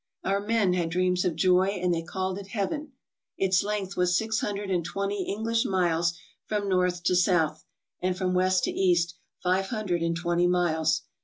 Our men had dreams of joy and they called it heaven. Its length was six hundred and twenty English miles from north to south and from west to east five hundred and twenty miles.